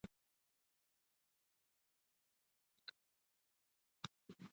Jamestown has garnered a reputation as a speed trap for motorists.